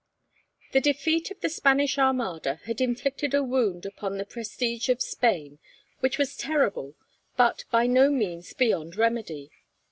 The defeat of the Spanish Armada had inflicted a wound upon the prestige of Spain which was terrible but by no means beyond remedy.